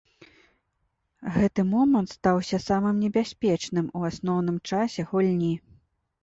Гэты момант стаўся самым небяспечным у асноўным часе гульні.